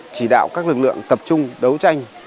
chỉ đạo các lực lượng tập trung đấu tranh